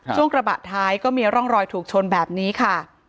กระบะท้ายก็มีร่องรอยถูกชนแบบนี้ค่ะ